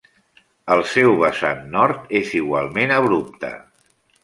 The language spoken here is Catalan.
El seu vessant nord és igualment abrupte.